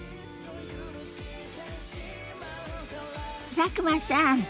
佐久間さん